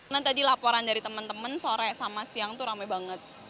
nah tadi laporan dari teman teman sore sama siang tuh rame banget